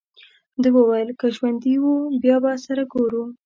ده وویل: که ژوندي وو، بیا به سره ګورو.